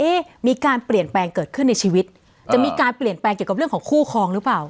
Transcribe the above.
มีการเปลี่ยนแปลงเกิดขึ้นในชีวิตจะมีการเปลี่ยนแปลงเกี่ยวกับเรื่องของคู่คลองหรือเปล่า